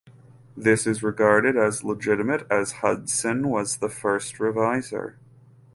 This is regarded as legitimate as Hudson was the first reviser.